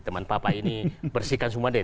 teman papa ini bersihkan semua deh